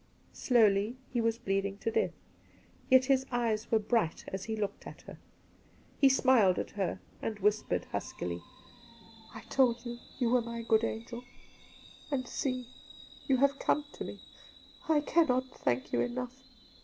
Slowly he was bleeding to death, yet his eyes were bright as he looked at her. He smiled at her and whispiered huskily :' I told you you were my good angel, and see, you have come to me. I cannot thank you enough.